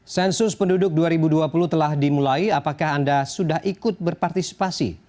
sensus penduduk dua ribu dua puluh telah dimulai apakah anda sudah ikut berpartisipasi